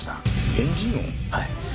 はい。